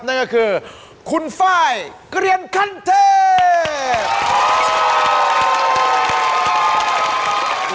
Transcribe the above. นั่นก็คือคุณไฟล์เกลียนคันเทพ